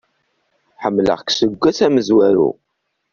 Ḥemmleɣ-k seg ass amezwaru.